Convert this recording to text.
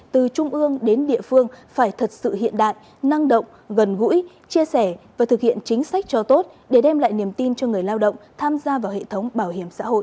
từ trung ương đến địa phương phải thật sự hiện đại năng động gần gũi chia sẻ và thực hiện chính sách cho tốt để đem lại niềm tin cho người lao động tham gia vào hệ thống bảo hiểm xã hội